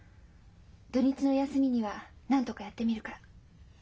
土日の休みにはなんとかやってみるから。